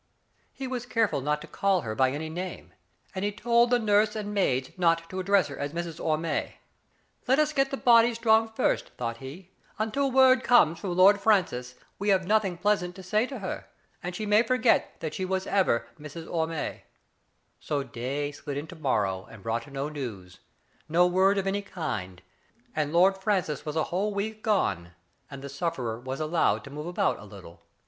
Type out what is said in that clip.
He was care ful not to call her by any name, and he told the nurse and maids not to address her as " Mrs. Orme." " Let us get the body strong first, thought he. " Until word comes from Lord Francis, we have nothing pleasant to say to her, and she may forget that she was ever ' Mrs. Orme.' " So day slid into morrow, and brought no news — no word of any kind — and Lord Francis was a whole week gone, and the sufferer was allowed to move about a little.